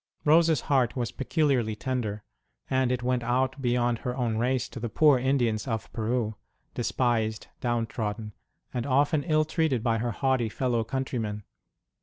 Rose s heart was peculiarly tender, and it went out beyond her own race to the poor Indians of Peru, despised, down trodden and often ill treated by her haughty fellow countrymen.